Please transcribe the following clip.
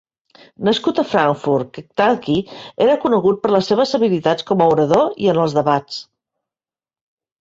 Nascut a Frankfort, Kentucky, era conegut per les seves habilitats com a orador i en els debats.